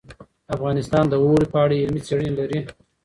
افغانستان د اوړي په اړه علمي څېړنې لري.